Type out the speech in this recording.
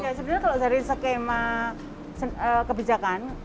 kalau dari skema kebijakan